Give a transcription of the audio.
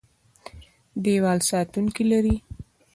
دیوال ساتونکي لري.